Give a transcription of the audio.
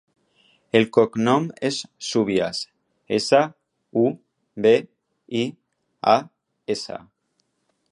El cognom és Subias: essa, u, be, i, a, essa.